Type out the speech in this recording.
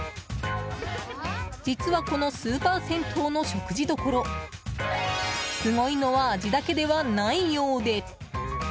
実は、このスーパー銭湯の食事どころすごいのは味だけではないようで。